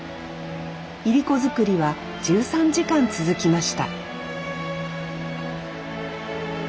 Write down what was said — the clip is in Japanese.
いりこ作りは１３時間続きました